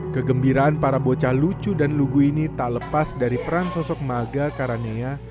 kegembiraan para bocah lucu dan lugu ini tak lepas dari peran sosok maga karania